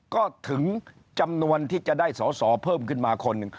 ก็ถึงจำนวนที่จะได้สอสอเพิ่มขึ้นมาคนหนึ่ง